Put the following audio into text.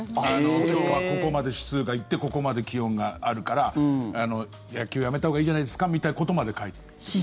今日はここまで指数が行ってここまで気温があるから野球、やめたほうがいいんじゃないですかみたいなことまで書いてある。